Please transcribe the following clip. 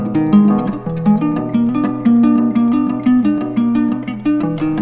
di silahkan big